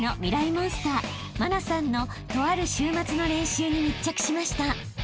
モンスター茉奈さんのとある週末の練習に密着しました］